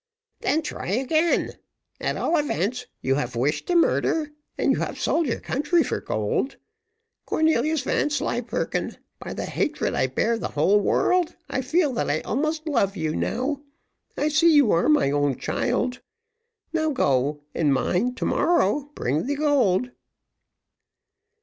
"Then try again. At all events, you have wished to murder, and you have sold your country for gold. Cornelius Vanslyperken, by the hatred I bear the whole world, I feel that I almost love you now; I see you are my own child. Now go, and mind to morrow you bring the gold."